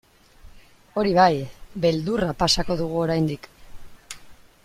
Hori bai, beldurra pasako dugu oraindik.